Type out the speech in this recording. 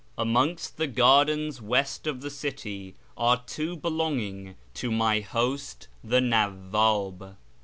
Amongst the gardens west of the city are two belonging to my host the Nawwab.